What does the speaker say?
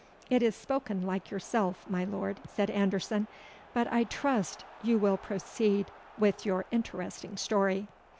"It is spoken like yourself, my lord," said Anderson. "But I trust you will proceed with your interesting story."